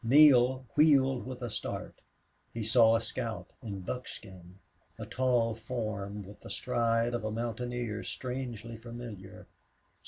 Neale wheeled with a start. He saw a scout, in buckskin, a tall form with the stride of a mountaineer, strangely familiar.